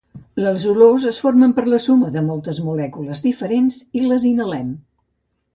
Les olors es formen per la suma de moltes molècules diferents i les inhalem